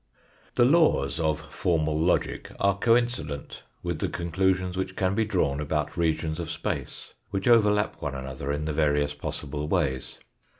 The laws of formal logic are coincident with the con clusions which can be drawn about regions of space, which overlap one another in the various possible ways.